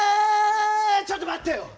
ちょっと待ってよ。